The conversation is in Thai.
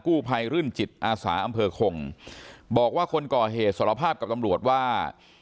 ภัยรื่นจิตอาสาอำเภอคงบอกว่าคนก่อเหตุสารภาพกับตำรวจว่า